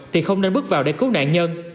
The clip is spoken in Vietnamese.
thì không nên bước vào để cứu nạn nhân